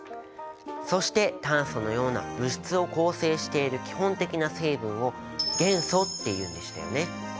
そして炭素のような物質を構成している基本的な成分を元素っていうんでしたよね。